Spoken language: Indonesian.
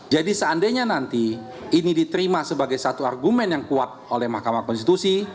jadi seandainya nanti ini diterima sebagai satu argumen yang kuat oleh mahkamah konstitusi